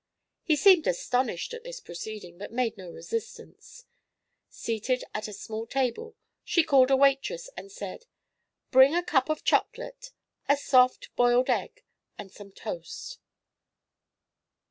He seemed astonished at this proceeding but made no resistance. Seated at a small table she called a waitress and said: "Bring a cup of chocolate, a soft boiled egg and some toast."